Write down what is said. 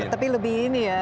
tapi lebih ini ya